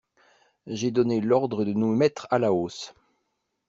J'ai donné l'ordre de nous mettre à la hausse!